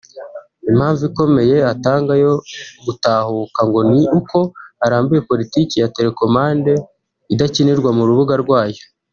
Impamvu ikomeye atanga yo gutahuka ngo ni uko arambiwe politiki ya télécommande idakinirwa ku rubuga rwayo